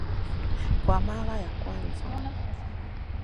Kwa mara ya kwanza.